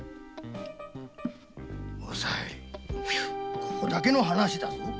おさいここだけの話だぞ。